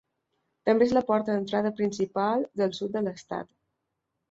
També és la porta d'entrada principal del sud de l'Estat.